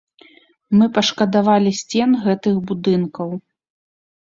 Мы пашкадавалі сцен гэтых будынкаў.